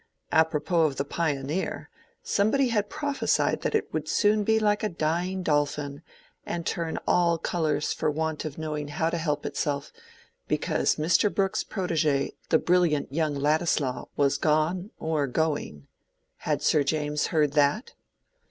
Apropos of the "Pioneer"—somebody had prophesied that it would soon be like a dying dolphin, and turn all colors for want of knowing how to help itself, because Mr. Brooke's protege, the brilliant young Ladislaw, was gone or going. Had Sir James heard that?